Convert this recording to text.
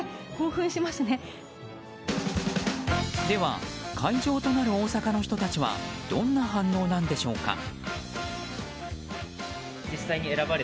では、会場となる大阪の人たちはどんな反応なんでしょうか？